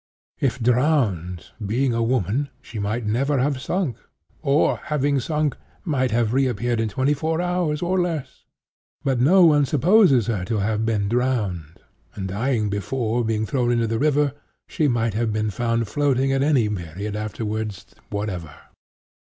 If drowned, being a woman, she might never have sunk; or having sunk, might have reappeared in twenty four hours, or less. But no one supposes her to have been drowned; and, dying before being thrown into the river, she might have been found floating at any period afterwards whatever.